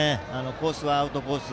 コースはアウトコース